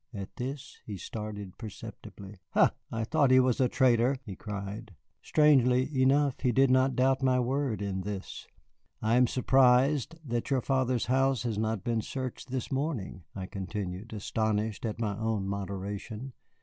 At this he started perceptibly. "Ha, I thought he was a traitor," he cried. Strangely enough, he did not doubt my word in this. "I am surprised that your father's house has not been searched this morning," I continued, astonished at my own moderation.